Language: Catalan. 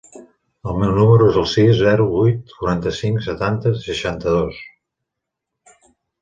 El meu número es el sis, zero, vuit, quaranta-cinc, setanta, seixanta-dos.